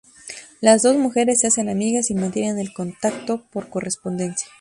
Las dos mujeres se hacen amigas y mantienen el contacto por correspondencia.